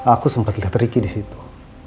aku sempat lihat ricky di situ